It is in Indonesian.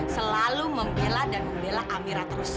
selalu membela dan membela amira terus